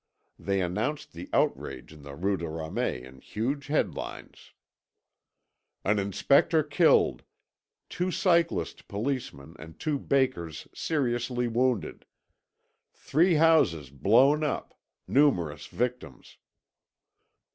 They announced the outrage in the Rue de Ramey in huge headlines: "An Inspector killed Two cyclist policemen and two bakers seriously wounded Three houses blown up, numerous victims."